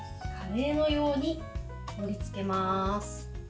カレーのように盛りつけます。